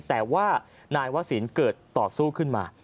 แต่ว่านายวศิลป์เกิดต่อสู้ขึ้นมา